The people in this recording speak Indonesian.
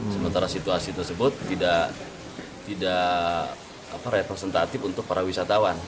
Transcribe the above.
sementara situasi tersebut tidak representatif untuk para wisatawan